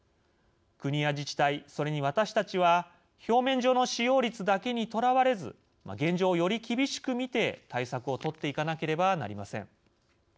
国や自治体、それに私たちは表面上の使用率だけにとらわれず現状を、より厳しく見て対策を取っていかなければなりません。